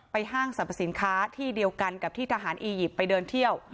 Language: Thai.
ห้างสรรพสินค้าที่เดียวกันกับที่ทหารอียิปต์ไปเดินเที่ยว